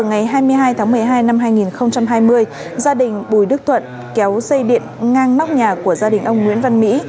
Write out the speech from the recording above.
ngày hai mươi hai tháng một mươi hai năm hai nghìn hai mươi gia đình bùi đức tuận kéo dây điện ngang nóc nhà của gia đình ông nguyễn văn mỹ